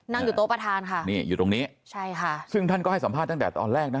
นั่งอยู่โต๊ะประธานค่ะนี่อยู่ตรงนี้ใช่ค่ะซึ่งท่านก็ให้สัมภาษณ์ตั้งแต่ตอนแรกนะ